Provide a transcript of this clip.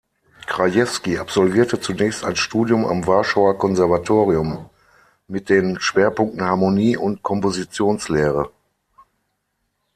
Krajewski absolvierte zunächst ein Studium am Warschauer Konservatorium mit den Schwerpunkten Harmonie- und Kompositionslehre.